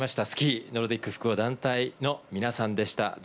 スキーノルディック複合団体の皆さんでした。